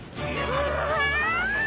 うわ！